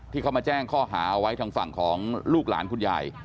ที่เขามาแจ้งข้อหาเอาไว้ทางฝั่งของลูกหลานคุณยาย